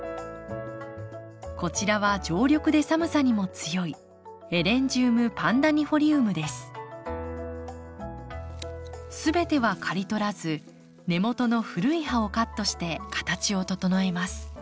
こちらは常緑で寒さにも強い全ては刈り取らず根元の古い葉をカットして形を整えます。